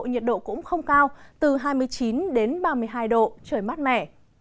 nhiệt độ cũng không cao từ hai mươi chín đến ba mươi hai độ trời mát mẻ